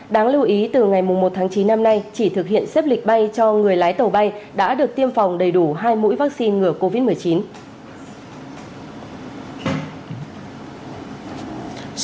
đáng lưu ý từ ngày một tháng chín năm nay chỉ thực hiện xếp lịch bay cho người lái tàu bay đã được tiêm phòng đầy đủ hai mũi vaccine ngừa covid một mươi chín